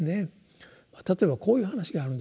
例えばこういう話があるんです。